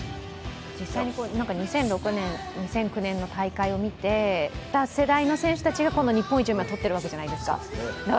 実際に２００６年、２００９年の大会を見ていた世代の選手たちが今度、日本一を取っているわけじゃないですか。